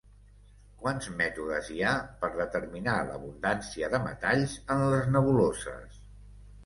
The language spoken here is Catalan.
Quants mètodes hi ha per determinar l'abundància de metalls en les nebuloses?